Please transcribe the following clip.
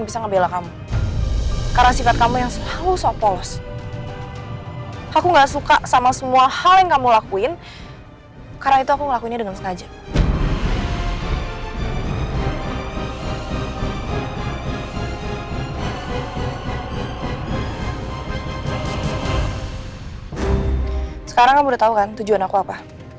sekarang kamu udah tau kan tujuan aku apa